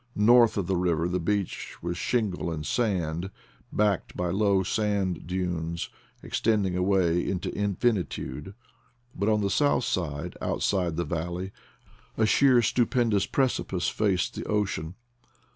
North of the river the beach was shingle and sand, backed by low sand dunes extending away into infinitude; but on the south side, outside the valley, a sheer stupendous preci pice faced the ocean.